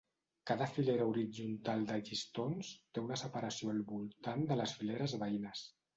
Cada filera horitzontal de llistons té una separació al voltant de les fileres veïnes.